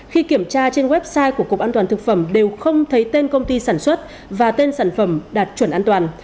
khi kiểm tra trên website của cục an toàn thực phẩm đều không thấy tên công ty sản xuất và tên sản phẩm đạt chuẩn an toàn